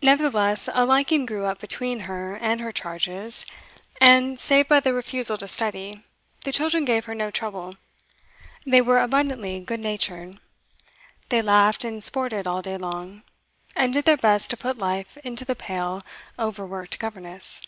Nevertheless a liking grew up between her and her charges, and, save by their refusal to study, the children gave her no trouble; they were abundantly good natured, they laughed and sported all day long, and did their best to put life into the pale, overworked governess.